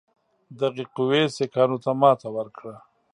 دغې قوې سیکهانو ته ماته ورکړه.